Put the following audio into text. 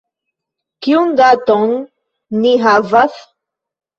Kiun daton ni havas?